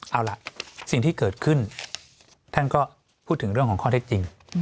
เอาล่ะสิ่งที่เกิดขึ้นท่านก็พูดถึงเรื่องของข้อเท็จจริง